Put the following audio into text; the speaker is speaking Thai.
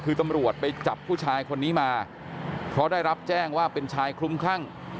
คือตำรวจไปจับผู้ชายคนนี้มาเพราะได้รับแจ้งว่าเป็นชายคลุมคลั่ง